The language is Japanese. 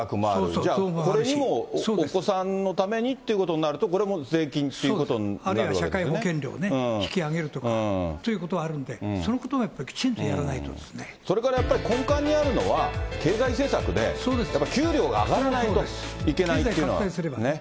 じゃあこれにもお子さんのためにっていうことになると、これも税あるいは社会保険料ね、引き上げるとかということはあるんで、そのことをきちんとやらなそれからやっぱり根幹にあるのは経済政策で、やっぱり給料が上がらないといけないというのは。